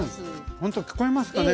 ほんと聞こえますかね？